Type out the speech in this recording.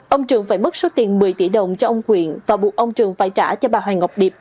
ông trường phải mất số tiền một mươi tỷ đồng cho ông quyện và buộc ông trường phải trả cho bà hoàng ngọc điệp